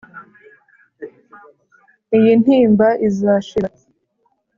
iyi ntimba izashira